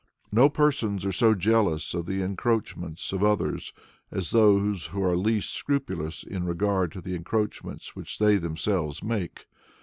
No persons are so jealous of the encroachments of others as those who are least scrupulous in regard to the encroachments which they themselves make.